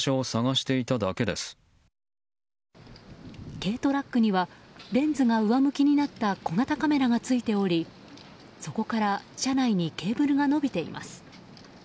軽トラックにはレンズが上向きになった小型カメラがついておりそこから車内にケーブルが伸びています。